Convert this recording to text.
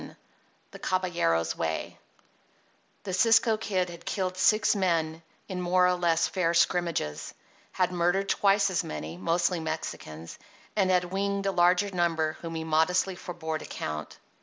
XI THE CABALLERO'S WAY The Cisco Kid had killed six men in more or less fair scrimmages, had murdered twice as many (mostly Mexicans), and had winged a larger number whom he modestly forbore to count.